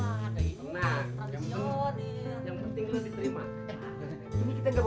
yang pentinglah diterima